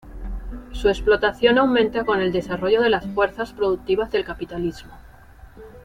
Su explotación aumenta con el desarrollo de las fuerzas productivas del capitalismo.